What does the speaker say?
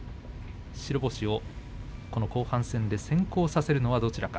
白星をこの後半戦で先行させるのはどちらか。